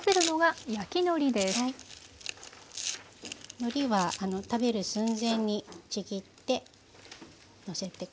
のりは食べる寸前にちぎってのせて下さい。